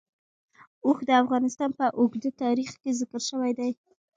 اوښ د افغانستان په اوږده تاریخ کې ذکر شوی دی.